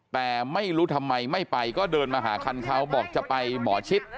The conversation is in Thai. แต่ไม่รู้ทำไมไม่ไปก็เดินมาหาคันเขาบอกจะไปหมอชิด